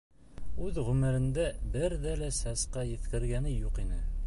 Үҙ ғүмерендә берҙе лә сәскә еҫкәгәне юҡ ине.